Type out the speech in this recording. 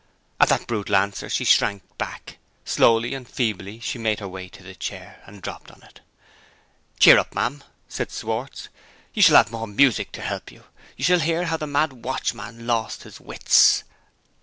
At that brutal answer, she shrank back. Slowly and feebly she made her way to the chair, and dropped on it. "Cheer up, ma'am!" said Schwartz. "You shall have more music to help you you shall hear how the mad watchman lost his wits.